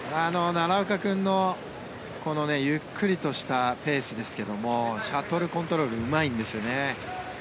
奈良岡君のゆっくりとしたペースですがシャトルコントロールうまいんですよね。